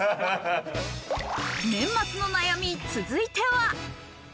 年末の悩み、続いては。